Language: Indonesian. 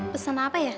pesan apa ya